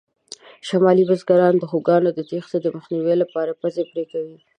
شمالي بزګران د خوکانو د تېښتې د مخنیوي لپاره پزې پرې کوي.